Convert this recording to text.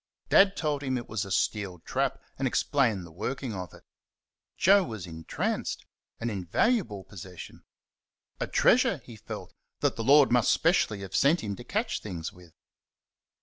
Dad told him it was a steel trap and explained the working of it. Joe was entranced an invaluable possession! A treasure, he felt, that the Lord must specially have sent him to catch things with.